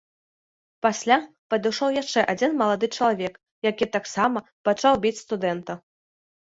Пасля падышоў яшчэ адзін малады чалавек, які таксама пачаў біць студэнта.